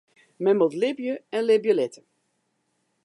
Men moat libje en libje litte.